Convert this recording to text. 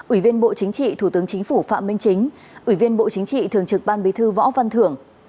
ủy viên bộ chính trị thủ tướng chính phủ phạm minh chính ủy viên bộ chính trị thường trực ban bí thư võ văn thưởng